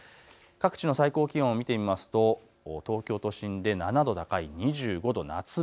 各地の最高気温を見てみると東京都心で７度高い２５度。